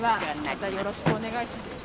またよろしくお願いします。